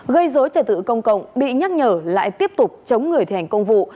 gây dối trả tự công cộng bị nhắc nhở lại tiếp tục chống người thể hành công vụ